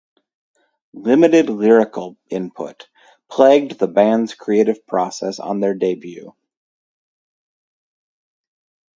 Limited lyrical input plagued the band's creative process on their debut.